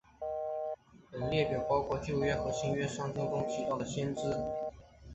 本列表包括旧约和新约圣经中提到的先知。